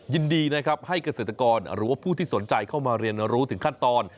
ยินดีนะครับให้เกษตรกรหรือว่าผู้ที่สนใจเข้ามาเรียนรู้ถึงขั้นตอน